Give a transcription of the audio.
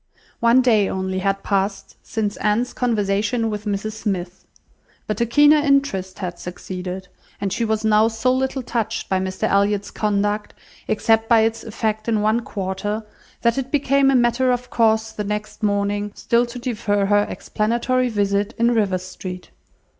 One day only had passed since Anne's conversation with Mrs Smith; but a keener interest had succeeded, and she was now so little touched by Mr Elliot's conduct, except by its effects in one quarter, that it became a matter of course the next morning, still to defer her explanatory visit in Rivers Street.